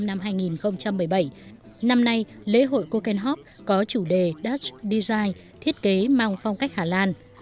năm nay lễ hội kokenhof có chủ đề dutch design thiết kế mang phong cách hà lan